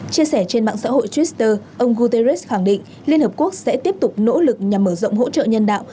chia sẻ trên mạng xã hội twitter ông guterres khẳng định liên hợp quốc sẽ tiếp tục nỗ lực nhằm mở rộng hỗ trợ nhân đạo